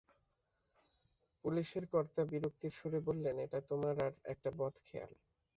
পুলিশের কর্তা বিরক্তির সুরে বললেন, এটা তোমার আর একটা বদখেয়াল।